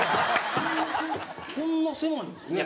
こんな狭いんですね。